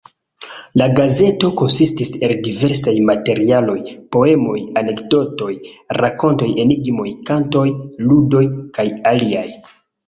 La gazeto konsistis el diversaj materialoj: poemoj, anekdotoj, rakontoj, enigmoj, kantoj, ludoj kaj aliaj.